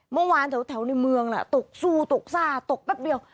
เมื่อวานแถวในเมืองน่ะตกสู้ตกซ่าตกแป๊บเดียว